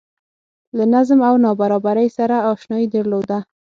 له نظم او نابرابرۍ سره اشنايي درلوده